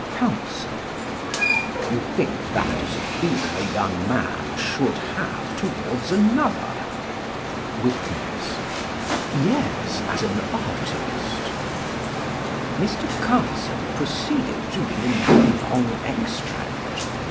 Counsel: You think that is a feeling a young man should have towards another? Witness: Yes, as an artist. Mr. Carson proceeded to read another long extract.